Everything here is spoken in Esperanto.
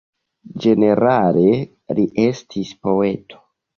Ĝenerale li estis poeto.